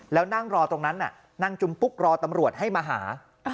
แล้วนั่งรอตรงนั้นนั่งจุมปุ๊กรอตำรวจให้มาหา